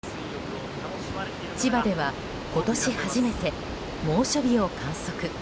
千葉では今年初めて猛暑日を観測。